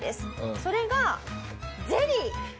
それがゼリー。